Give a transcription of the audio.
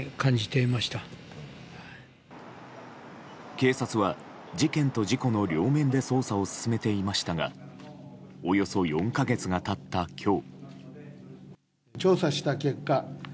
警察は事件と事故の両面で捜査を進めていましたがおよそ４か月が経った今日。